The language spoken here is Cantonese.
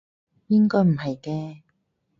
應該唔係嘅